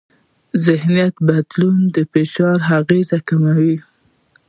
ذهنیت بدلون د فشار اغېزې کموي.